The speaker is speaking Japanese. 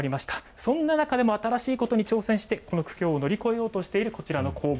そんな中でも新しいことに挑戦してこの苦境を乗り越えようとしているこちらの工房。